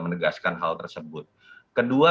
menegaskan hal tersebut kedua